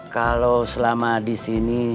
kalau selama disini